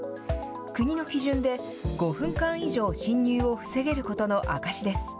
国の基準で５分間以上侵入を防げることの証しです。